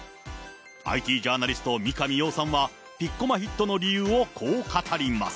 ＩＴジャーナリスト、三上洋さんは、ピッコマヒットの理由をこう語ります。